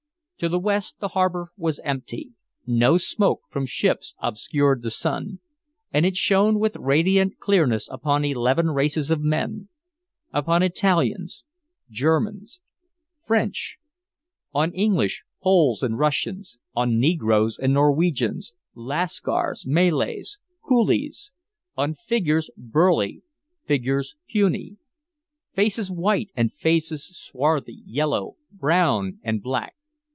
To the west the harbor was empty, no smoke from ships obscured the sun, and it shone with radiant clearness upon eleven races of men, upon Italians, Germans, French, on English, Poles and Russians, on Negroes and Norwegians, Lascars, Malays, Coolies, on figures burly, figures puny, faces white and faces swarthy, yellow, brown and black.